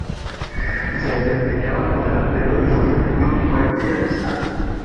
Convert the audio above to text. Se desempeñaba como delantero y su primer club fue Bella Vista.